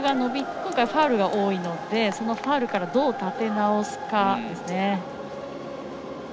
今回ファウルが多いのでファウルからどう立て直すかですね。